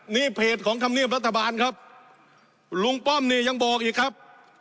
นี่เพจของธรรมเนียบรัฐบาลครับลุงป้อมนี่ยังบอกอีกครับ